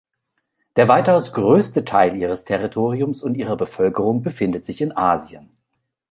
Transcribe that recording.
Der weitaus größte Teil ihres Territoriums und ihrer Bevölkerung befindet sich in Asien.